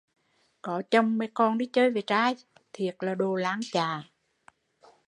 Có chồng mà còn đi chơi với trai, thiệt là đồ lang chạ